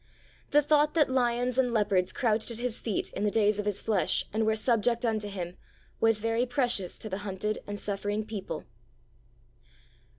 The thought that lions and leopards crouched at His feet in the days of His flesh, and were subject unto Him, was very precious to the hunted and suffering people.